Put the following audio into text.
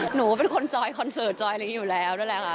หนูเป็นคนจอยคอนเสิร์ตจอยอะไรอย่างนี้อยู่แล้วด้วยแหละค่ะ